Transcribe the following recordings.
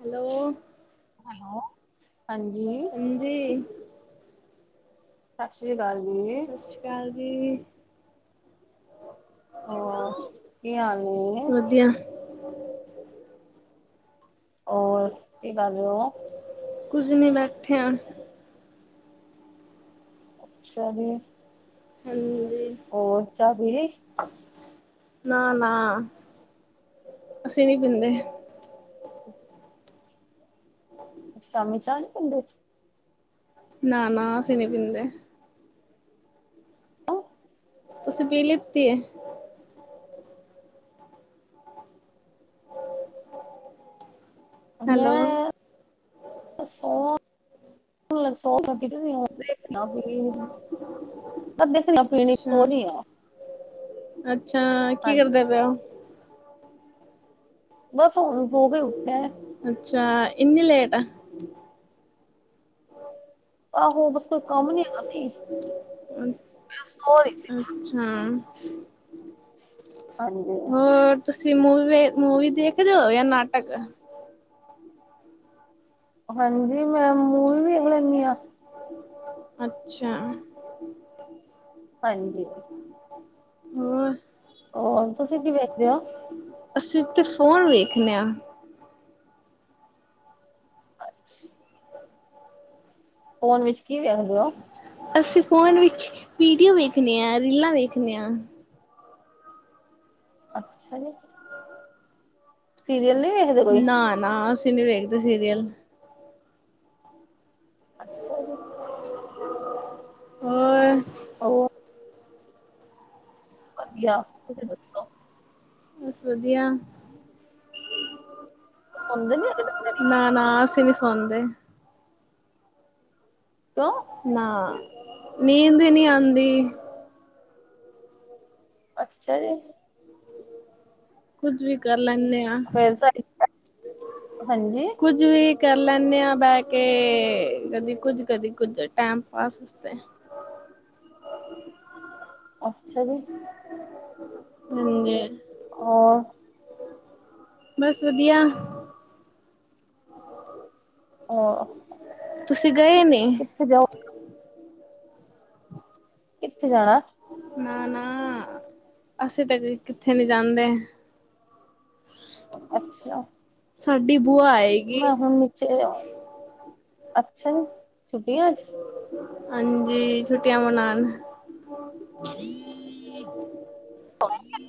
Hello. Hello, ਹਾਂਜੀ। ਹਾਂਜੀ ਸਤਿ ਸ਼੍ਰੀ ਅਕਾਲ ਜੀ। ਸਤਿ ਸ਼੍ਰੀ ਅਕਾਲ‌ ਜੀ। ਹੋਰ ਕੀ ਹਾਲ ਨੇ? ਵਧੀਆ‌। ਹੋਰ ਕੀ ਰੇ ਓ? ਕੁਝ ਨੀ ਬੈਠੇ ਆ। ਅੱਛਾ ਜੀ। ਹਾਂਜੀ। ਹੋਰ ਚਾਹ ਪੀ ਲੀ? ਨਾ, ਨਾ ਅਸੀਂ ਨੀ ਪੀਦੇ। ਸ਼ਾਮੀ ਚਾਹ ਨੀ ਪੀਦੇ? ਨਾ-ਨਾ ਅਸੀਂ ਨੀ ਪੀਦੇ। ਤੁਸੀਂ ਪੀ ਲੀਤੀ ਏ? ਹੈਲੋ ਮੈਂ ਸੌ ਸੋਲ ਲੈਤੀ ਤੀ ਗੀ, ਹਾਂ। ਦੇਖਣਾ ਪੀਨੀ ਓ ਦੇਖਣਾ ਪੀਨੀ ਸੋ ਅੱਛਾ ਰੀ ਆ। ਅੱਛਾ, ਕੀ ਹਾਂਜੀ ਕਰਦੇ ਪ‌ਏ ਓ? ਬਸ ਹੁਣ ਸੋ ਕੇ ਈ ਉੱਠੇ। ਅੱਛਾ, ਏਨੀ ਲੇਟ? ਆਹੋ ਬਸ ਕੋਈ ਕੰਮ ਨੀ ਹੈਗਾ ਸੀ। ਸੋ ਰਹੀ ਸੀ, ਅੱਛਾ, ਹਾਂਜੀ। ਹੋਰ ਤੁਸੀਂ ਮੂਵੀ ਵੇ ਮੂਵੀ ਦੇਖਦੇ ਓ ਜਾਂ ਨਾਟਕ? ਹਾਂਜੀ ਮੈਂ ਮੂਵੀ ਵੀ ਵੇਖ ਲੈਨੀ ਆ। ਅੱਛਾ। ਹਾਂਜੀ। ਹੋਰ? ਹੋਰ ਤੁਸੀਂ ਕੀ ਵੇਖਦੇ ਓ? ਅਸੀਂ ਤੇ ਫੋਨ ਵੇਖਦੇ ਆ। ਅੱਛਾ। ਫੋਨ ਵਿੱਚ ਕੀ ਵੇਖਦੇ ਓ? ਅਸੀਂ ਫੋਨ ਵਿੱਚ ਵੀਡੀਓ ਵੇਖਣੇ ਆ, ਰੀਲਾਂ ਵੇਖਣੇ ਆ। ਅੱਛਾ ਜੀ। ਸੀਰੀਅਲ ਨੀ ਵ ਨਾ-ਨਾ ਅਸੀਂ ਨੀ ਵੇਖਦੇ ਸੀਰੀਅਲ। ਅੱਛਾ ਜੀ। ਹੋਰ [unintelligible] ਵਧੀਆ ਤੁਸੀ ਦੱਸੋ ਬਸ ਵਧੀਆ ਸੋਨਦੇ ਨੀ ਹੈਗੇ ਦੋਪੈਰੀ ਨਾ ਅਸੀ ਨੀ ਸੌੰਦੇ ਕਿਉਂ? ਨਾ, ਨੀਂਦ ਈ ਨੀ ਆਂਦੀ। ਅੱਛਾ ਜੀ। ਕੁੱਝ ਵੀ ਕਰ ਲੈਂਣੇ ਆਂ। ਫੇਰ ਤਾਂ ਠੀਕ ਐ, ਹਾਂਜੀ ਕੁਝ ਵੀ ਕਰ ਲੈਂਣੇ ਆਂ ਬੈ ਕੇ, ਕਦੀ ਕੁੱਝ-ਕਦੀ ਕੁੱਝ ਟੈਮ ਪਾਸ ਆਸਤੇ ਅੱਛਾ ਜੀ। ਹਾਂਜੀ। ਔਰ ਬਸ ਵਧੀਆ। ਆਂ- ਤੁਸੀਂ ਗਏ ਨੀ ਤੁਸੀ ਜਾਓ ਕਿੱਥੇ ਜਾਣਾ? ਨਾ-ਨਾ ਅਸੀਂ ਤੇ ਬਈ ਕਿੱਥੇ ਨੀ ਜਾਂਦੇ। ਅੱਛਾ। ਸਾਡੀ ਬੂਆ ਆਈ ਮੈਂ ਹੁਣ ਨੀਚੇ ਆ ਅੱਛਾ ਜੀ, ਛੁੱਟੀਆਂ ਚ ਹਾਂਜੀ, ਛੁੱਟੀਆਂ ਮਨਾਣ [inaudible] [unintelligible]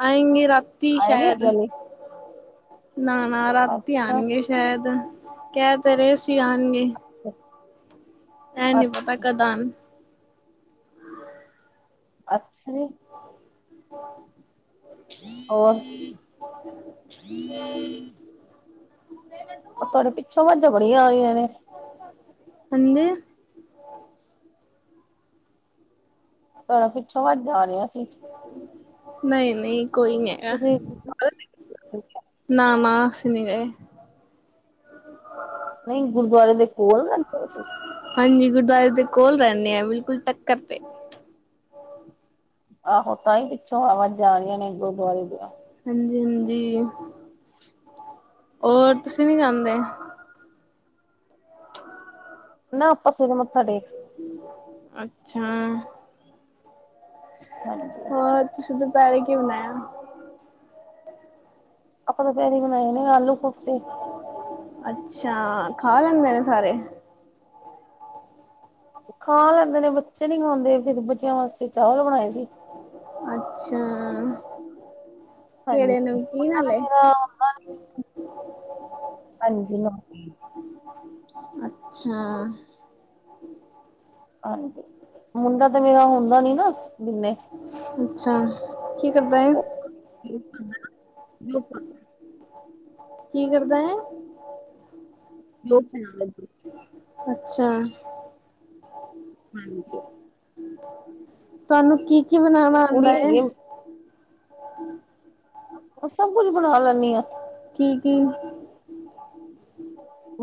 ਆਏਂਗੇ ਰਾਤੀ ਆਏ ਨੀ ਸ਼ਐਦ, ਹੈਗੇ ਹਲੇ? ਨਾ-ਨਾ ਰਾਤੀ ਅੱਛਾ, ਆਨਗੇ ਸ਼ਐਦ, ਕੈ ਤੇ ਰੇ ਸੀ ਆਣਗੇ। ਅੱਛਾ। ਐ ਨੀ ਪਤਾ ਕਦ ਆਨ ਅੱਛਾ ਜੀ। ਹੋਰ [unintelligible] ਐ ਤੁਆਡੇ ਪਿੱਛੋਂ ਵਾਜਾਂ ਬੜੀਆਂ ਆ ਰੀਈਆਂ ਨੇ ਹਾਂਜੀ ਪਲਾ ਪਿੱਛੋਂ ਵਾਜਾ ਆ ਰੀਆ ਸੀ ਨਈ-ਨਈ ਕੋਈ ਨੀ ਐ। ਤੁਸੀਂ [unintelligible] ਨਾ-ਨਾ ਅਸੀ ਨੀ ਗਏ। ਨਈ ਗੁਰਦੁਆਰੇ ਦੇ ਕੋਲ ਰੈਦੇ‌ ਓ ਤੁਸੀ ਹਾਂਜੀ ਗੁਰਦੁਆਰੇ ਦੇ ਕੋਲ ਰੈਣੇ ਆ, ਬਿਲਕੁਲ ਟੱਕਰ ਤੇ ਆਹੋ ਤਾਂ ਈ ਪਿੱਛੋਂ ਆਵਾਜ਼ਾਂ ਆਂਰੀਯਾ ਨੇ ਗੁਰਦੁਆਰੇ ਦੀਆਂ ਹਾਂਜੀ-ਹਾਂਜੀ, ਓਰ ਤੁਸੀਂ ਨੀ ਜਾਂਦੇ? ਨਾ, ਆਪਾਂ ਸਵੇਰੇ ਮੱਥਾ ਟੇਕ ਅੱਛਾ, ਹਾਂਜੀ ਹੋਰ ਤੁਸੀਂ ਦੁਪੈਰੇ ਕੀ ਬਨਾਯਾ? ਆਪਾਂ ਦੁਪੈਰੀ ਬਣਾਏ ਨੇ ਆਲੂ-ਕੋਫਤੇ। ਅੱਛਾ, ਖਾ ਲੈਂਦੇ ਨੇ ਸਾਰੇ? ਖਾ ਲੈਂਦੇ ਨੇ, ਬੱਚੇ ਨੀ ਖਾਂਦੇ, ਫੇਰ ਬੱਚਿਆਂ ਵਾਸਤੇ ਚਾਵਲ ਬਣਾਏ ਸੀ। ਅੱਛਾ। ਹਾਂਜੀ ਕੇੜੇ ਇਹਨਾਂ ਨਮਕੀਨ ਦਾ ਆਲੇ? ਮੇਰਾ ਹੁੰਦਾ ਨੀ। ਹਾਂਜੀ ਨਾ, ਅੱਛਾ। ਹਾਂਜੀ, ਮੁੰਡਾ ਤੇ ਮੇਰਾ ਹੁੰਦਾ ਨੀ ਨਾ ਦਿੰਨੇ। ਅੱਛਾ, ਕੀ ਕਰਦਾ ਏ? [unintelligible] ਕੀ ਕਰਦਾ ਏ? ਲੋਟੇਆਂ ਦਾ ਜੀ। ਅੱਛਾ। ਹਾਂਜੀ। ਤਾਨੂੰ ਕੀ-ਕੀ ਬਣਾਣਾ ਕੁੜੀ ਆਂਦਾ ਏ। ਹੈਗੀ ਆ ਮੈਂ ਸਬ ਕੁਜ ਬਣਾ ਲੈਨੀ ਆਂ। ਕੀ-ਕੀ?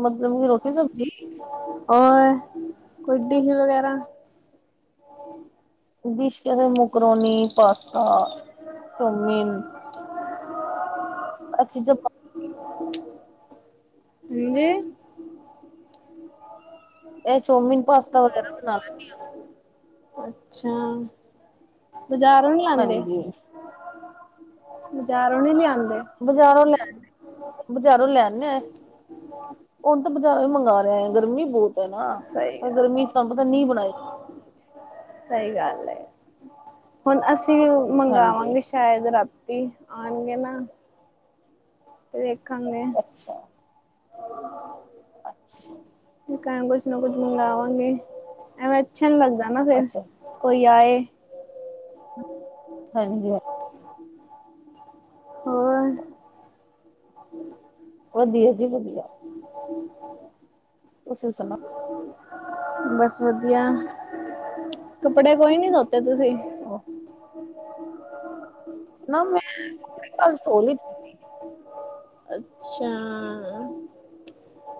ਮਤਲਬ ਕੀ, ਰੋਟੀ ਸਬਜ਼ੀ? ਅ ਕੋਈ ਡਿਸ਼ ਵਗੈਰਾ? ਡਿਸ਼ ਕਦੇ ਮਕਰੋਨੀ, ਪਾਸਤਾ, ਚੌਮੀਨ ਆਹ ਚੀਜਾ ਹਾਂਜੀ ਏ ਚੌਮੀਨ, ਪਾਸਤਾ ਵਗੈਰਾ ਬਣਾ ਲੈਨੀਂ ਆਂ। ਅੱਛਾ, ਬਜ਼ਾਰੋਂ ਨੀ ਲਿਆਂਦੇ? ਹਾਂਜੀ ਬਾਜ਼ਾਰੋਂ ਨੀਂ ਲਿਆਂਦੇ? ਬਜਾਰੋਂ ਲੈਨੇਆ, ਬਜਾਰੋਂ ਲੈਨੇਆਂ। [inaudible] ਹੁਣ ਤਾਂ ਬਜਾਰੋਂ ਈ ਮੰਗਾ ਰੇਆਂ। ਗਰਮੀ ਬਓਤ ਏਨਾ, ਸਹੀ ਗੱਲ ਗਰਮੀ ਚ ਤਾਨੂੰ ਪਤਾ ਨੀਂ ਬਣਾਈ ਜਾਂਦੀਂ। ਸਹੀ ਗੱਲ ਏ, ਹੁਣ ਅਸੀਂ ਮੰਗਾਵਾਂ ਹਾਂਜੀ ਗੇ ਸ਼ੈਦ ਰਾਤੀ ਆਣਗੇ ਨਾ। ਵੇਖਾਂਗੇ। [unintelligible] [unintelligible] [unintelligible] ਕੁਛ ਨਾ ਕੁਛ ਮੰਗਾਵਾਂਗੇ, ਐਵੇਂ ਅੱਛਾ ਨਈਂ ਲੱਗਦਾ ਨਾ ਫੇਰ, ਅੱਛਾ ਕੋਈ ਆਏ ਹੰਜੀ ਹੋਰ ਵਦੀਆ ਜੀ ਵਦੀਆ। [inaudible] ਤੁਸੀਂ ਸੁਣਾਓ ਬਸ ਵਦੀਆ, ਕੱਪੜੇ ਕੋਈ ਨੀ ਤੋਤੇ ਤੁਸੀਂ? [unintelligible] ਨਾ ਮੈਂ, ਕੱਲ ਤੋ ਅੱਛਾ,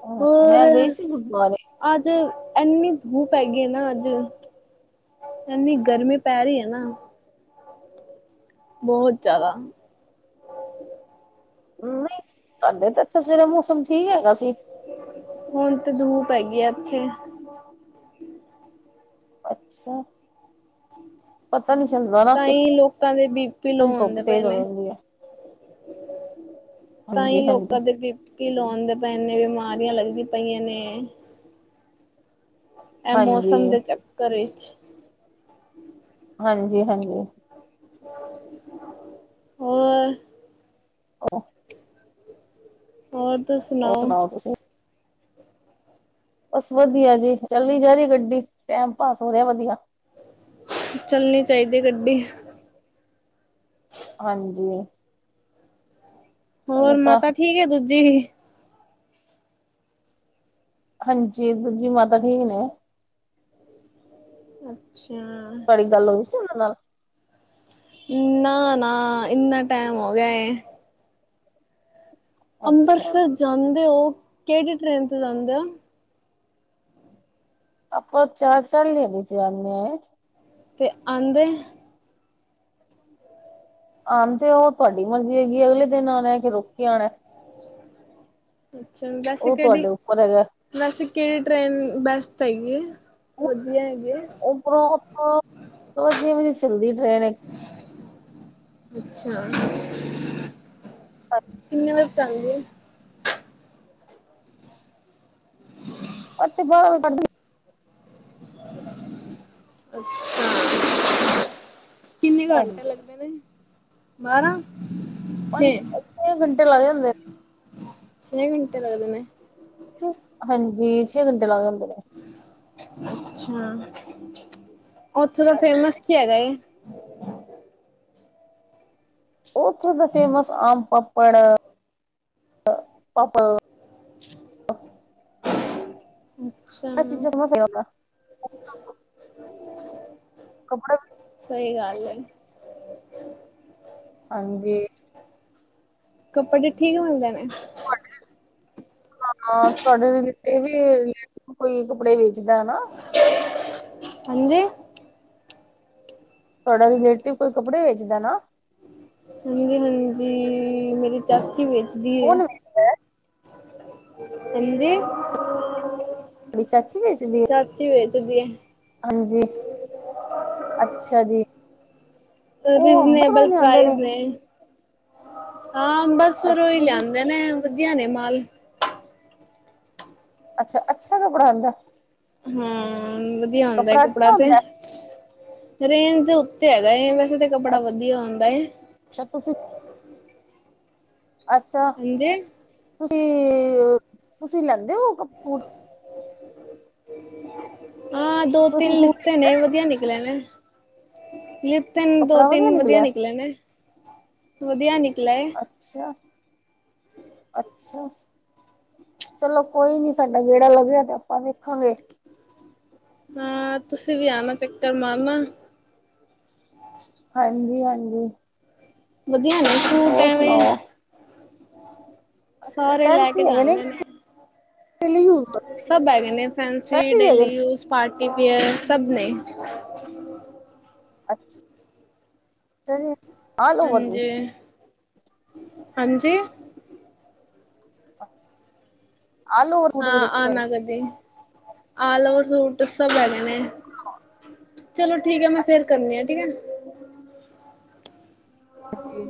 ਹਾਂ ਹੋਰ ਮੈਂ ਗਈ ਸੀ ਗੁਰਦੁਆਰੇ ਅੱਜ ਇੰਨੀ ਧੂਪ ਹੈਗੀ ਈ ਏ ਨਾ ਅੱਜ ਐਨੀ ਗਰਮੀ ਪੈ ਰਹੀ ਹੈ ਨਾ ਬਹੁਤ ਜਿਆਦਾ। ਨਹੀਂ ਸਾਡੇ ਤੇ ਇਥੇ ਸਵੇਰੇ ਮੌਸਮ ਠੀਕ ਹੈਗਾ ਸੀ। ਹੁਣ ਤੇ ਧੂਪ ਹੈਗੀ ਆ ਐਥੇ ਅੱਛਾ! ਪਤਾ ਨੀ ਚੱਲਦਾ ਨਾ ਕਿਸ ਤਾਂਹਿ ਲੋਕਾਂ ਦੇ ਬੀ ਪੀ ਲੋਅ ਟਾਈਮ ਧੁੱਪ ਹੁੰਦੇ ਪਏ ਤੇਜ਼ ਹੋ ਨੇ ਜਾਂਦੀ ਹੈ ਤਾਂ ਹਾਂਜੀ ਹੀ ਹਾਂਜੀ ਲੋਕਾਂ ਦੇ ਬੀ ਪ ਬੀ ਪੀ ਲੋਅ ਹੁੰਦੇ ਪਏ ਨੇ ਬਿਮਾਰੀਆਂ ਲੱਗਦੀਆਂ ਪਈਆਂ ਨੇ ਐਹ ਹਾਂਜੀ ਮੌਸਮ ਦੇ ਚੱਕਰ ਵਿੱਚ ਹਾਂਜੀ, ਹਾਂਜੀ ਹੋਰ [unintelligible] ਹੋਰ ਤੁਸੀਂ ਹੋਰ ਸੁਣਾਓ? ਤੁਸੀਂ? ਬਸ ਵਧੀਆ ਜੀ ਚੱਲੀ ਜਾ ਰਹੀ ਗੱਡੀ ਟੈਮ ਪਾਸ ਹੋ ਰਿਹਾ ਵਧੀਆ ਚੱਲਣੀ ਚਾਹੀਦੀ ਏ ਗੱਡੀ [inaudible] ਹਾਂਜੀ ਹੋਰ ਉਹ ਤਾਂ ਮਾਤਾ ਠੀਕ ਏ ਦੂਜੀ? ਹਾਂਜੀ ਦੂਜੀ ਮਾਤਾ ਠੀਕ ਨੇ ਅੱਛਿਆ ਤੁਹਾਡੀ ਗੱਲ ਹੋ ਗਈ ਸੀ ਉਨਾਂ ਨਾਲ ਨਾ ਨਾ ਇੰਨਾ ਟੈਮ ਹੋ ਗਿਆ ਐ ਅੱਛਾ ਅੰਬਰਸਰ ਜਾਂਦੇ ਹੋ ਕਿਹੜੀ ਟ੍ਰੇਨ ਤੇ ਜਾਂਦੇ ਹੋ? ਆਪਾਂ ਚਾਰ [unintelligible] ਤੇ ਆਂਦੇ ਆਂਦੇ ਓ ਤੁਹਾਡੀ ਮਰਜ਼ੀ ਹੈਗੀ ਏ ਅਗਲੇ ਦਿਨ ਆਣਾ ਕਿ ਰੁਕ ਕੇ ਆਣਾ ਅੱਛਾ ਵੈਸੇ ਉਹ ਕਿਹੜੀ ਤੁਹਾਡੇ ਉੱਪਰ ਹੈਗਾ ਵੈਸੇ ਕਿਹੜੀ ਟ੍ਰੇਨ ਬੈਸਟ ਹੈਗੀ ਏ ਵਧੀਆ ਹੈਗੀ ਏ ਉੱਪਰੋਂ ਉ ਸਵਾ ਛੇ ਵਜੇ ਚੱਲਦੀ ਟ੍ਰੇਨ ਇੱਕ ਅੱਛਾ [unintelligible] ਕਿੰਨੇ ਵਜੇ ਚੱਲਦੀ ਏ ਉੱਥੇ ਬਾਹਰ [unintelligible] ਅੱਛਿਆ ਕਿੰਨੇ ਘੰਟੇ ਹਾਂਜੀ ਲੱਗਦੇ ਨੇ ਬਾਰਾਂ- ਛੇ ਪੰਜ ਛੇ ਘੰਟੇ ਲੱਗ ਜਾਂਦੇ ਛੇ ਘੰਟੇ ਲਗਦੇ ਨੇ ਹਾਂਜੀ ਛੇ ਘੰਟੇ ਲੱਗ ਜਾਂਦੇ ਨੇ ਅੱਛਾ ਉੱਥੋਂ ਦਾ ਫੇਮਸ ਕੀ ਹੈਗਾ ਏ‌? ਉਥੇ ਦਾ ਫੇਮਸ ਆਮ ਪਾਪੜ ਪਾਪ [inaudible] ਐਹ ਚੀਜ਼ਾਂ [unintelligible] ਕੱਪੜੇ ਸਹੀ ਗੱਲ ਐ ਜੀ ਹਾਂਜੀ। ਕੱਪੜੇ ਠੀਕ ਹੁੰਦੇ ਨੇ। ਹਾਂ, ਤੁਹਾਡੇ ਵੀ ਕੋਈ ਕੱਪੜੇ ਵੇਚਦਾ ਹੈ ਨਾ। ਹਾਂਜੀ ਤੁਹਾਡਾ ਰਿਲੇਟਿਵ ਕੋਈ ਕੱਪੜੇ ਵੇਚਦਾ ਨਾ। ਹਾਂਜੀ- ਹਾਂਜੀ। ਮੇਰੀ ਚਾਚੀ ਵੇਚਦੀ ਏ। ਕੌਣ ਵੇਚਦਾ ਹੈ ਹਾਂਜੀ। ਮੇਰੀ ਚਾਚੀ ਵੇਚਦੀ ਏ। ਚਾਚੀ ਵੇਚਦੀ ਏ। ਹਾਂਜੀ। ਅੱਛਾ ਜੀ। ਹੈ ਉਹ ਬ ਬਾਹਰੋਂ ਰੀਜ਼ਨੇਬਲ ਲਿਆਂਦੇ ਨੇ। ਪ੍ਰਾਈਜ਼ ਹਾਂ, ਬਸ ਫਿਰ ਓਹੀ ਅੱਛਾ ਜੀ ਲਿਆਂਦੇ ਨੇ ਵਧੀਆ ਨੇ ਮਾਲ। ਅੱਛਾ- ਅੱਛ ਕੁਪੜਾ ਉਂਦਾ। ਹੂ, ਵਧੀਆ ਹੁੰਦਾ ਹੈ ਕੱਪੜਾ ਅੱਛਾ ਤੇ। ਹੁੰਦਾ ਰੇਂਜ ਦੇ ਉੱਥੇ ਹੈਗਾ ਵੈਸੇ ਤਾਂ ਕੱਪੜਾ ਵਧੀਆ ਹੁੰਦਾ ਹੈ। ਅੱਛਾ ਤੁਸੀਂ ਅੱਛਾ। ਹਾਂਜੀ ਤੁਸੀਂ, ਤੁਸੀਂ ਲੈਂਦੇ ਹੋ ਸੂਟ। ਹਾਂ ਦੋ- ਤਿੰਨ ਤੁਸੀਂ ਸੂਟ ਲਿੱਤੇ ਲੈਂਦੇ ਨੇ ਵਧੀਆ ਨਿਕਲੇ ਨੇ। ਲੀਤੇ ਣੇ ਦੋ- ਕੱਪੜਾ ਤਿੰਨ ਵਧੀਆ ਨਿਕਲਿਆ ਨਿਕਲੇ ਨੇ ਵਧੀਆ ਨਿਕਲਾ। ਅੱਛਾ-ਅੱਛਾ। ਚਲੋ ਕੋਈ ਨੀ ਸਾਡਾ ਗੇੜਾ ਲੱਗਿਆ ਤੇ ਆਪਾਂ ਵੇਖਾਂਗੇ। ਹਾਂ। ਤੁਸੀਂ ਵੀ ਆਣਾ ਚੱਕਰ ਮਾਰਨਾ। ਹਾਂਜੀ-ਹਾਂਜੀ। ਵਦੀਆਂ ਨੇ। ਸੂਟ ਹੋਰ ਐਵੇਂ ਸੁਣਾਓ? ਅੱਛਾ ਸਾਰੇ ਲੈ ਕੇ ਫੈਂਸੀ ਹੈਗੇ, ਜਾਂਦੇ ਨੇ ਕੀਂ ਡੇਲੀ ਯੂਜ। ਸਭ ਹੈਗੇ ਨੇ ਫੈਂਸੀ, ਵੀ ਹੈਗੇ ਡੇਲੀ ਨੇ ਯੂਸ, ਪਾਰਟੀਅਰ ਸਭ ਨੇ। ਅੱਛਾ। ਚਲ। ਹਾਂਜੀ-ਹਾਂਜੀ। ਅੱਲੋਵਰ ਫੂਟ ਵੀ ਰੱਖੇ। ਕਦੇ ਅੱਲੋਵਰ ਸੂਟ ਸਭ ਹੈਗੇ ਣੇ। ਚਲੋ ਠੀਕ ਹੈ ਮੈਂ ਫੇਰ ਅੱਛਾ ਕਰਨੀ ਆ ਠੀਕ ਐ। ਹਾਂਜੀ।